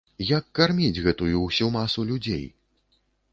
Як карміць гэтую ўсю масу людзей?